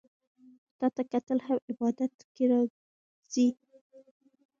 تاته کتل هم عبادت کی راځي